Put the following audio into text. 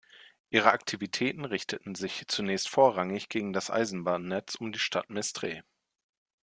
Ihre Aktivitäten richteten sich zunächst vorrangig gegen das Eisenbahnnetz um die Stadt Mestre.